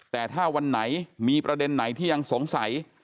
แต่ถ้าวันไหนมีประเด็นไหนที่ยังสงสัย